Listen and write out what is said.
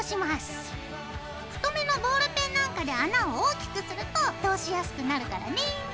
太めのボールペンなんかで穴を大きくすると通しやすくなるからね。